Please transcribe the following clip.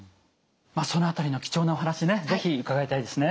その辺りの貴重なお話ね是非伺いたいですね。